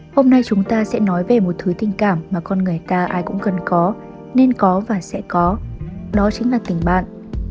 hôm nay chúng ta sẽ nói về một thứ tình cảm mà con người ta ai cũng cần có nên có và sẽ có đó chính là tình bạn